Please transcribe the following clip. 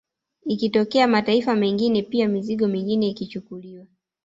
Ikitokea mataifa mengine pia mizigo mingine ikichukuliwa